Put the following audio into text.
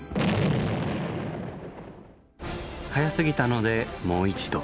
速すぎたのでもう一度。